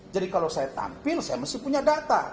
jadi kalau saya tampil saya mesti punya data